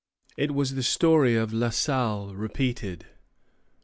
] It was the story of La Salle repeated.